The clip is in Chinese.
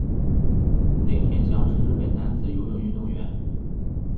内田翔是日本男子游泳运动员。